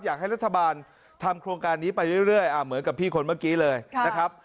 อยากให้รัฐบาลทำโครงการนี้ไปเรื่อยเหมือนกับพี่คนเมื่อกี้เลยนะครับ